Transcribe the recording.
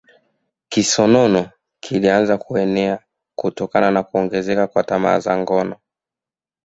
Kisonono kilianza kuenea kutokana na kuongezeka kwa tamaa za ngono